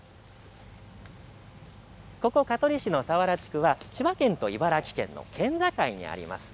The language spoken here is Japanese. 香取市の佐原地区は千葉県と茨城県の県境にあります。